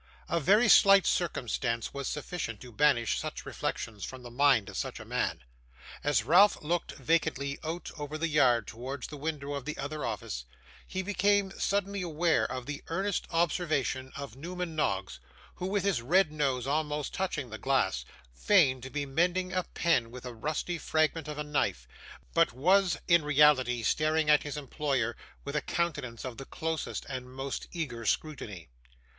A very slight circumstance was sufficient to banish such reflections from the mind of such a man. As Ralph looked vacantly out across the yard towards the window of the other office, he became suddenly aware of the earnest observation of Newman Noggs, who, with his red nose almost touching the glass, feigned to be mending a pen with a rusty fragment of a knife, but was in reality staring at his employer with a countenance of the closest and most eager scrutiny.